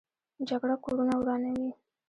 جګړه کورونه ورانوي